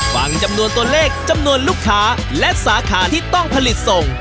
ฟังจำนวนตัวเลขจำนวนลูกค้าและสาขาที่ต้องผลิตส่ง